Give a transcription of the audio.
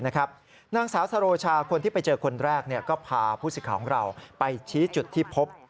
นางสาวสโรชาคนที่ไปเจอคนแรกก็พาผู้สิทธิ์ของเราไปชี้จุดที่พบ